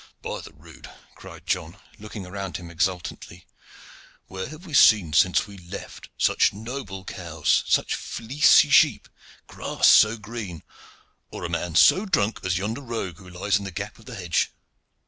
"By the rood!" cried John, looking around him exultantly, "where have we seen since we left such noble cows, such fleecy sheep, grass so green, or a man so drunk as yonder rogue who lies in the gap of the hedge?"